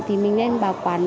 thì mình nên bảo quản